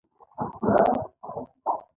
پیلوټ د انجن هره ستونزه اوري.